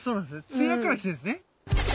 つやからきてるんですね。